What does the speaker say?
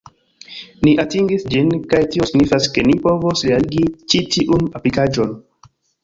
Ni atingis ĝin, kaj tio signifas ke ni povos realigi ĉi tiun aplikaĵon